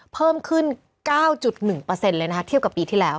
เพิ่มขึ้น๙๑เลยนะคะเทียบกับปีที่แล้ว